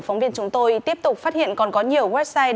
phóng viên chúng tôi tiếp tục phát hiện còn có nhiều website